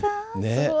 すごい。